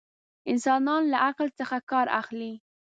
انسانان له عقل څخه ڪار اخلي.